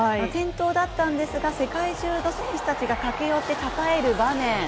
転倒だったんですが世界中の選手たちが駆け寄ってたたえる場面